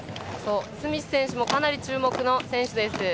スミス選手もかなり注目の選手です。